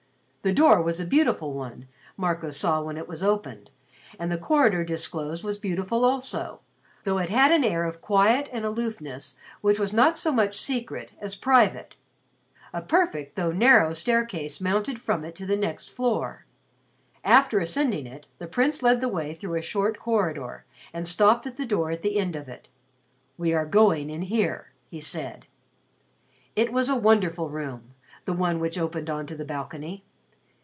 The door was a beautiful one, Marco saw when it was opened, and the corridor disclosed was beautiful also, though it had an air of quiet and aloofness which was not so much secret as private. A perfect though narrow staircase mounted from it to the next floor. After ascending it, the Prince led the way through a short corridor and stopped at the door at the end of it. "We are going in here," he said. It was a wonderful room the one which opened on to the balcony.